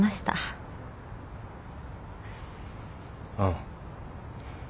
ああ。